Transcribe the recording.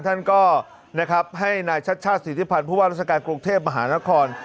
ท่านก็ให้นายชัดชาติศิคริพันธ์ภูพว่าลักษณะกรุงเทพมหานคร